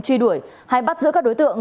truy đuổi hay bắt giữa các đối tượng